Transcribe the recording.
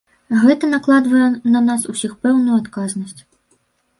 Гэта накладвае на нас усіх пэўную адказнасць.